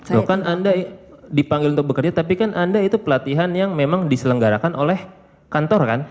dok kan anda dipanggil untuk bekerja tapi kan anda itu pelatihan yang memang diselenggarakan oleh kantor kan